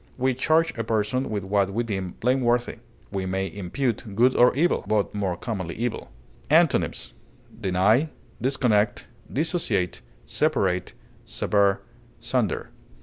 We charge a person with what we deem blameworthy. We may impute good or evil, but more commonly evil. Antonyms: deny, disconnect, dissociate, separate, sever, sunder.